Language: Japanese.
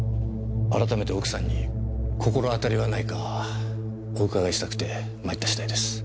改めて奥さんに心当たりはないかお伺いしたくて参った次第です。